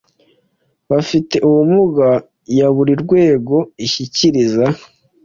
bafite ubumuga ya buri rwego ishyikiriza